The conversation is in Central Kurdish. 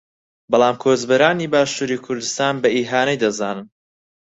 بەڵام کۆچبەرانی باشووری کوردستان بە ئیهانەی دەزانن